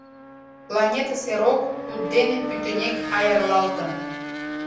Планетысе рок туддене пӱтынек аярлалтын.